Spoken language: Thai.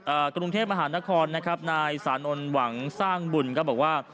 กรุงเทพมหานครนะครับนายสานนท์หวังสร้างบุญก็บอกว่า